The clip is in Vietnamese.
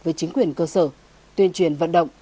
với chính quyền cơ sở tuyên truyền vận động